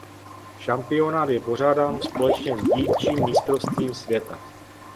Šampionát je pořádán společně s dívčím mistrovstvím světa.